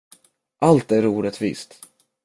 Allt är orättvist!